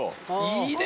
いいね！